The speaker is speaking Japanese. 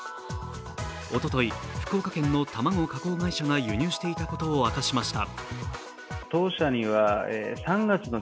おととい、福岡県の卵加工会社が輸入していたことを明かしました。